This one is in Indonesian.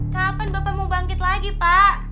kapan bapak mau bangkit lagi pak